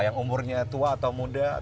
yang umurnya tua atau muda